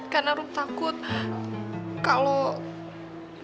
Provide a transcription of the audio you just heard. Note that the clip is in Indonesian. karena rum takut kalau